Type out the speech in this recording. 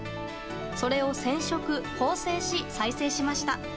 それを染色、縫製し再生しました。